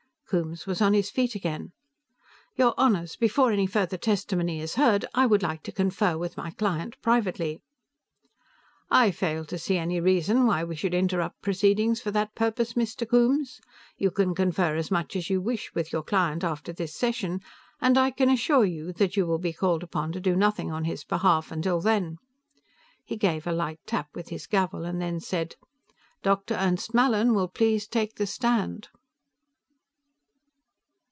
Coombes was on his feet again. "Your Honors, before any further testimony is heard, I would like to confer with my client privately." "I fail to see any reason why we should interrupt proceedings for that purpose, Mr. Coombes. You can confer as much as you wish with your client after this session, and I can assure you that you will be called upon to do nothing on his behalf until then." He gave a light tap with his gavel and then said: "Dr. Ernst Mallin will please take the stand."